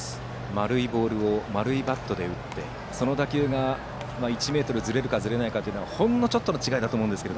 丸いボールを丸いバットで打ってその打球が、１ｍずれるかずれないかというのはほんのちょっとの違いだと思います。